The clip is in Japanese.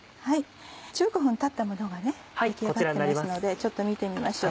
１５分たったものが出来上がってますのでちょっと見てみましょう。